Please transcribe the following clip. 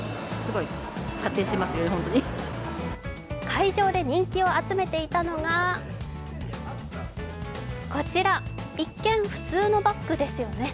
会場で人気を集めていたのがこちら、一見、普通のバッグですよね。